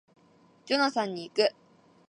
ジョナサンに行く